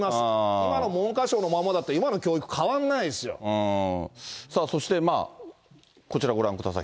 今の文科省のままだと、教育変わんないでさあ、そしてこちらご覧ください。